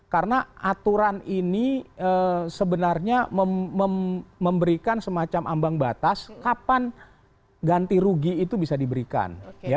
karena aturan ini sebenarnya memberikan semacam ambang batas kapan ganti rugi itu bisa diberikan